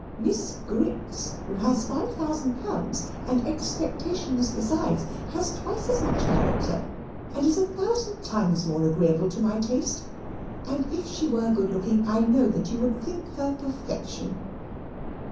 Miss Grits, who has five thousand pounds, and expectations besides, has twice as much character, and is a thousand times more agreeable to my taste; and if she were good looking I know that you would think her perfection."